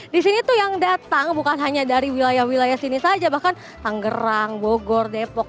di sini tuh yang datang bukan hanya dari wilayah wilayah sini saja bahkan tanggerang bogor depok